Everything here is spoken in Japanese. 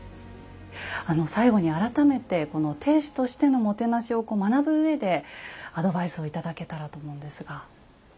あの最後に改めてこの亭主としてのもてなしを学ぶうえでアドバイスを頂けたらと思うんですが。